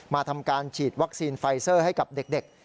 ทำการฉีดวัคซีนไฟเซอร์ให้กับเด็ก